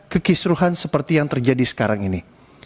kekisruhan seperti yang terjadi sekarang ini